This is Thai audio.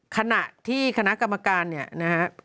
ขณะที่คณะกรรมการเนี่ยนะฮะ